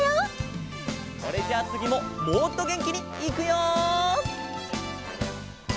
それじゃあつぎももっとげんきにいくよ！